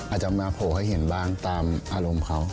อาจจะมาโผล่ให้เห็นบ้างตามอารมณ์เขา